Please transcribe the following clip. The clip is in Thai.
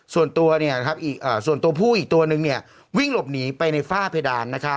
ส่วนตัวผู้อีกตัวหนึ่งวิ่งหลบหนีไปในฝ้าเพดาน